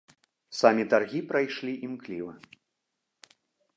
Самі таргі прайшлі імкліва.